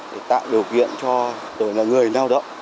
để tạo điều kiện cho người lao động